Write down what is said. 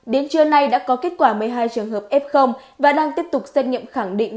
đến trưa nay đã có kết quả một mươi hai trường hợp f và đang tiếp tục xét nghiệm khẳng định